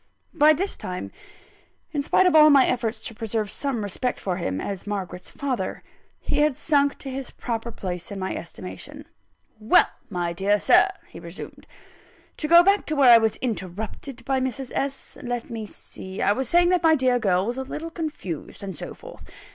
By this time (in spite of all my efforts to preserve some respect for him, as Margaret's father) he had sunk to his proper place in my estimation. "Well, my dear Sir," he resumed, "to go back to where I was interrupted by Mrs. S. Let me see: I was saying that my dear girl was a little confused, and so forth.